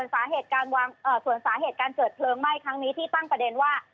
ส่วนสาเหตุการเกิดเพลิงไหม้ครั้งนี้ที่ตั้งประเด็นว่า